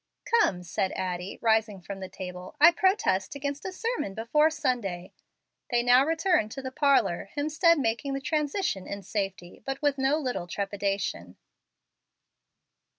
"Come," said Addie, rising from the table, "I protest against a sermon before Sunday." They now returned to the parlor, Hemstead making the transition in safety, but with no little trepidation.